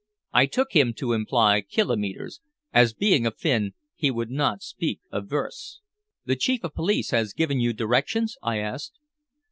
I took him to imply kilometres, as being a Finn he would not speak of versts. "The Chief of Police has given you directions?" I asked.